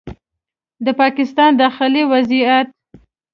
د پاکستان داخلي وضعیت